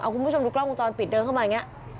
คุณผู้ชมดูกล้องวงจรปิดเดินเข้ามาอย่างนี้